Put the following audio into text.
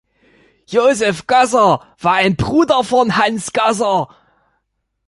Josef Gasser war ein Bruder von Hanns Gasser.